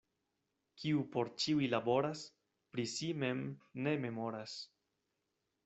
Kiu por ĉiuj laboras, pri si mem ne memoras.